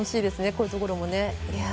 こういうところも。